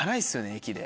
駅で。